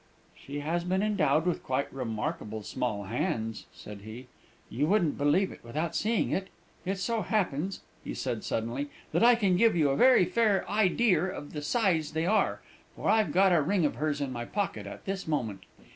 "She has been endowed with quite remarkable small hands," said he; "you wouldn't believe it without seeing. It so happens," he added suddenly, "that I can give you a very fair ideer of the size they are, for I've got a ring of hers in my pocket at this moment.